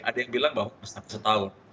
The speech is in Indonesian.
ada yang bilang bahwa harus sampai setahun